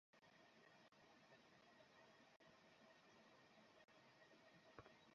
মায়ের মৃত্যুর পর আর কেউ পেনশনের টাকার দাবিদার হতে পারে না।